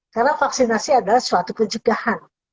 karena vaksinasi adalah suatu penjagaan